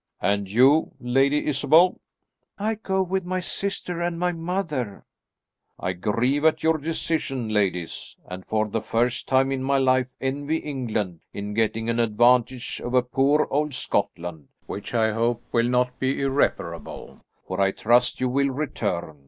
"And you, Lady Isabel?" "I go with my sister and my mother." [Illustration: "MY FAIR ANTAGONIST, I BID YOU GOOD NIGHT."] "I grieve at your decision, ladies, and for the first time in my life envy England in getting an advantage over poor old Scotland, which I hope will not be irreparable, for I trust you will return.